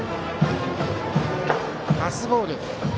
パスボール。